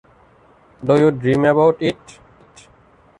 Do you dream about it?